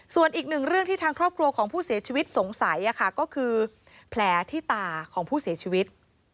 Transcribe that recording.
ส่วนอีกหนึ่งเรื่องที่ทางครอบครัวของผู้เสียชีวิตสงสัยก็คือแผลที่ตาของผู้เสียชีวิต